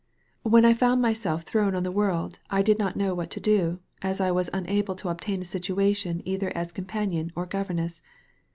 When I found myself thrown on the world I did not know what to do, as I was unable to obtain a situation either as companion or governess.